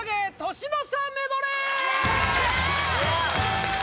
年の差メドレー